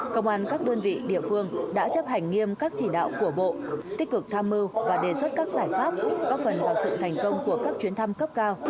công an các đơn vị địa phương đã chấp hành nghiêm các chỉ đạo của bộ tích cực tham mưu và đề xuất các giải pháp góp phần vào sự thành công của các chuyến thăm cấp cao